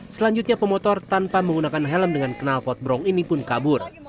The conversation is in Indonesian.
selanjutnya pemotor tanpa menggunakan helm dengan kenal potbrong ini pun kabur